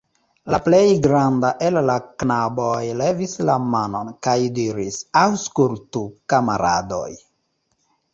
La plej granda el la knaboj levis la manon kaj diris: Aŭskultu, kamaradoj!